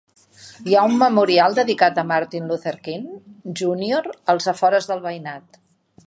Hi ha un memorial dedicat a Martin Luther King Junior als afores del veïnat.